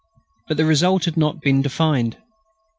But the result had not been defined.